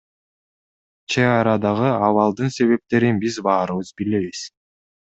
Чек арадагы абалдын себептерин биз баарыбыз билебиз.